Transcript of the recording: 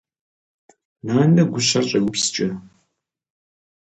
Нанэ гущэр щӏеупскӏэ.